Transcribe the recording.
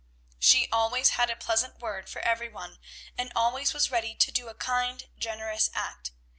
She always had a pleasant word for every one, and always was ready to do a kind, generous act.